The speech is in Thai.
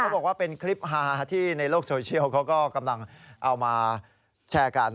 บอกว่าเป็นคลิปฮาที่ในโลกโซเชียลเขาก็กำลังเอามาแชร์กัน